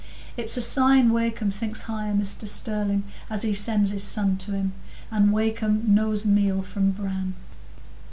It's a sign Wakem thinks high o' Mr Sterling, as he sends his son to him, and Wakem knows meal from bran."